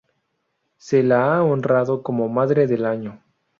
Se la ha honrado como "Madre del año".